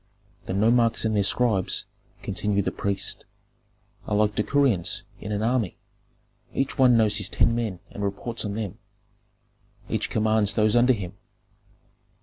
The nomarchs and their scribes," continued the priest, "are like decurions in an army; each one knows his ten men and reports on them. Each commands those under him.